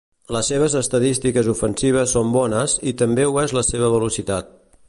Les seves estadístiques ofensives són bones i també ho és la seva velocitat.